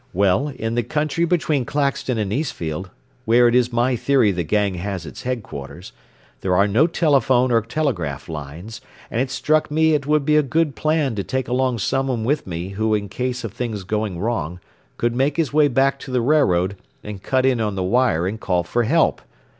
Well, in the country between Claxton and Eastfield, where it is my theory the gang has its headquarters, there are no telephone or telegraph lines, and it struck me it would be a good plan to take someone along with me who in case of things going wrong could make his way back to the railroad, and cut in on the wire and call for help.